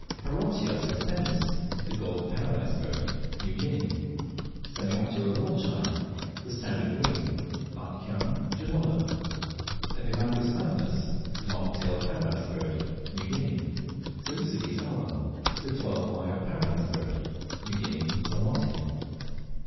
8. Parotia sexpennis (The Golden Paradise Bird). New Guinea. 9. Semioptera wallacei (The Standard Wing). Batchian, Gilolo. 10. Epimachus magnus (The Long tailed Paradise Bird). New Guinea 11. Seleucides albs (The Twelve wired Paradise Bird).New Guinea, Salwatty.